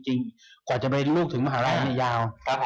จริงก็จะไปลูกถึงฮมหาลัยรนี้ยาว